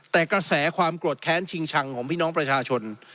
แต่กระแสความโกรธแค้นชิงชังของพี่น้องประชาชน